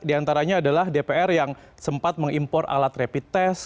di antaranya adalah dpr yang sempat mengimpor alat rapid test